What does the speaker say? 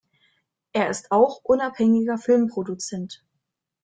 Er ist auch unabhängiger Filmproduzent.